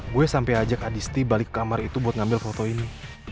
gue sampai ajak adisti balik ke kamar itu buat ngambil foto ini